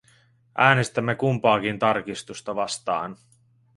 Äänestämme kumpaakin tarkistusta vastaan.